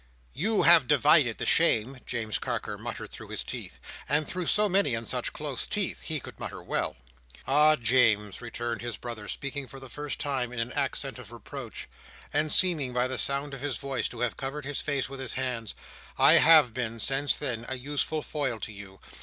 "You have divided the shame," James Carker muttered through his teeth. And, through so many and such close teeth, he could mutter well. "Ah, James," returned his brother, speaking for the first time in an accent of reproach, and seeming, by the sound of his voice, to have covered his face with his hands, "I have been, since then, a useful foil to you.